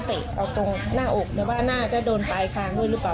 เอาตรงหน้าอกเดี๋ยวว่าหน้าจะโดนตายข้างด้วยหรือเปล่า